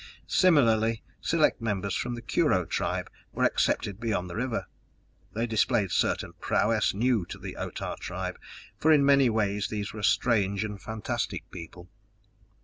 Similarly, select members from the Kurho tribe were accepted beyond the river; they displayed certain prowesses new to the Otah tribe, for in many ways these were a strange and fantastic people.